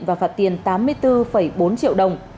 và phạt tiền tám mươi bốn bốn triệu đồng